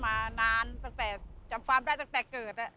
มานานจบความได้ตั้งแต่เกิด